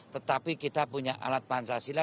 tetapi kita punya alat pancasila